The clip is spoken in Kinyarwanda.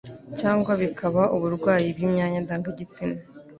cyangwa bikaba uburwayi bw'imyanya ndangagitsina.